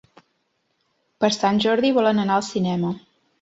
Per Sant Jordi volen anar al cinema.